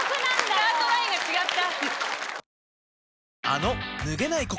スタートラインが違った。